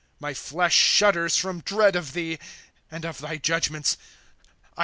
My Hesh shudders from dread of thee. And of thy judgments I am afraid. V.